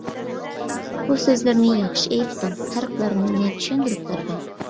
بۇ سۆزلەرنى ياخشى ئېيتتىڭ. پەرقلەرنى چۈشەندۈرۈپ بەردىڭ.